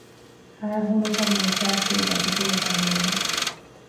ހައިހޫނުކަން އިހްޞާސްވީ ބަދިގެއަށް ވަނީމަ